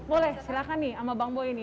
boleh silahkan nih sama bang boy ini